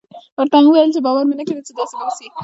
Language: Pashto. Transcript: ورته ومې ويل چې باور مې نه کېده چې داسې به وسي.